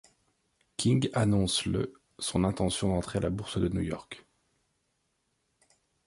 King annonce le son intention d'entrer à la bourse de New York.